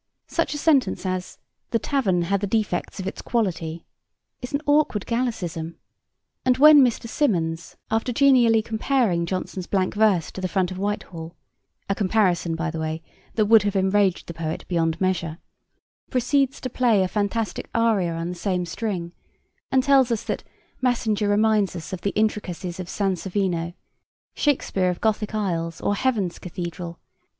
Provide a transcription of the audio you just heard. Such a sentence as 'the tavern had the defects of its quality' is an awkward Gallicism; and when Mr. Symonds, after genially comparing Jonson's blank verse to the front of Whitehall (a comparison, by the way, that would have enraged the poet beyond measure) proceeds to play a fantastic aria on the same string, and tells us that 'Massinger reminds us of the intricacies of Sansovino, Shakespeare of Gothic aisles or heaven's cathedral